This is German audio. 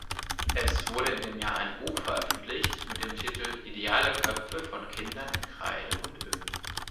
Es wurde in dem Jahr ein Buch veröffentlicht mit dem Titel „Ideale Köpfe von Kindern in Kreide und Öl“.